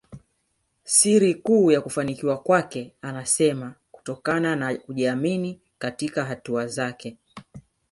Siri kuu ya kufanikiwa kwake anasema kunatokana na kujiamini katika hatua zake